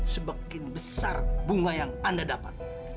sebagian besar bunga yang anda dapat